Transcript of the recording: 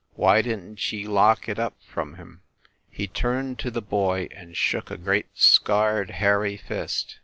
Why didn t ye lock it up from him ?" He turned to the boy and shook a great scarred hairy fist.